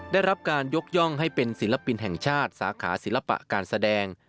ได้รับการยกย่องให้เป็นศิลปินแห่งชาติสาขาศิลปะการแสดง